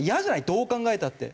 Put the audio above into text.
どう考えたって。